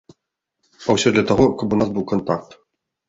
А ўсё для таго, каб у нас быў кантакт.